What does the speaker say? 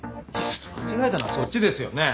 間違えたのはそっちですよね。